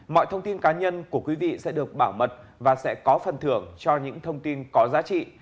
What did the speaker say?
mọi thông tin cá nhân của quý vị sẽ được bảo mật và sẽ có phần thưởng cho những thông tin có giá trị